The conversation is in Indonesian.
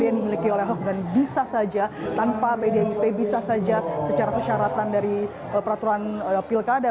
yang dimiliki oleh ahok dan bisa saja tanpa pdip bisa saja secara persyaratan dari peraturan pilkada